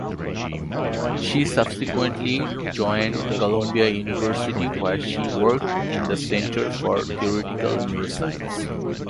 She subsequently joined Columbia University where she worked in the Center for Theoretical Neuroscience.